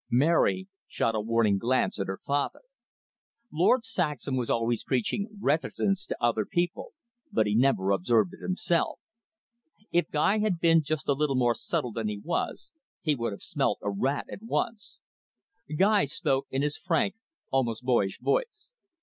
Mary shot a warning glance at her father. Lord Saxham was always preaching reticence to other people, but he never observed it himself. If Guy had been just a little more subtle than he was, he would have smelt a rat at once. Guy spoke in his frank, almost boyish voice.